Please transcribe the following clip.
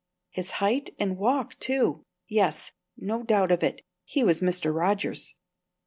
His height and walk, too! Yes; no doubt of it, he was Mr. Rogers.